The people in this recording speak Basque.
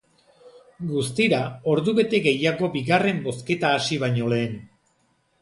Guztira, ordubete gehiago bigarren bozketa hasi baino lehen.